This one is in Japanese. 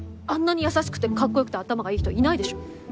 あんなに優しくてかっこよくて頭がいい人いないでしょ。